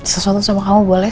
sesuatu sama kamu boleh